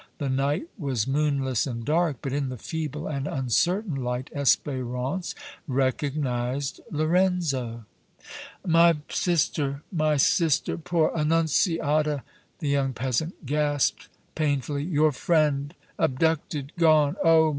The night was moonless and dark, but in the feeble and uncertain light Espérance recognized Lorenzo. "My sister my sister poor Annunziata!" the young peasant gasped, painfully. "Your friend abducted gone! Oh!